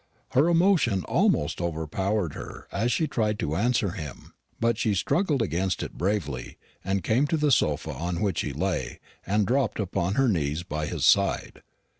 Her emotion almost overpowered her as she tried to answer him; but she struggled against it bravely, and came to the sofa on which he lay and dropped upon her knees by his side.